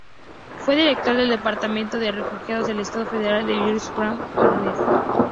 Fue director del Departamento de Refugiados del estado federal de Schleswig Holstein.